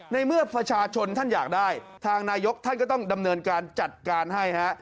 ในเมื่อประชาชนท่านอยากได้ทางนายกท่านก็ต้องดำเนินการจัดการให้ฮะ